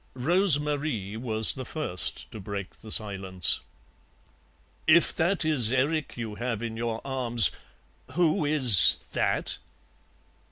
Rose Marie was the first to break the silence. "If that is Erik you have in your arms, who is that?"